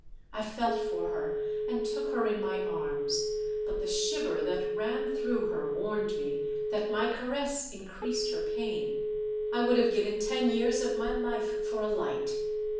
I felt for her, and took her in my arms, but the shiver that ran through her warned me that my caress increased her pain. I would have given ten years of my life for a light.